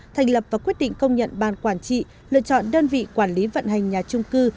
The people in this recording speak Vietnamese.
thành lập và quyết định công nhận ban quản trị lựa chọn đơn vị quản lý vận hành nhà trung cư